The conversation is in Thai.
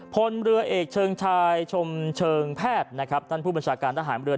พลเรือเอกเชิงชายชมเชิงแพทย์นะครับท่านผู้บัญชาการทหารเรือ